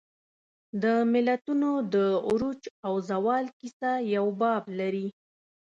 د ملتونو د عروج او زوال کیسه یو باب لري.